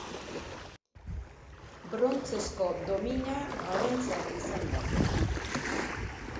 Brontzezko domina harentzat izan da.